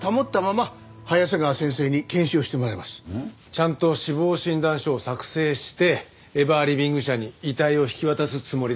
ちゃんと死亡診断書を作成してエバーリビング社に遺体を引き渡すつもりです。